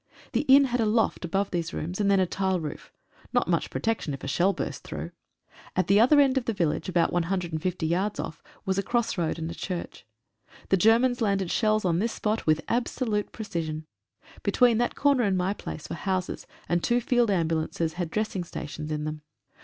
The inn had a loft above these rooms, and then a tile roof — not much protection if a shell burst through. At the other end of the village, about one hundred and fifty yards off, was a cross road, and a church. The Germans landed shells on this spot with absolute precision. Be tween that corner and my place were houses, and two field ambulances had dressing stations in them.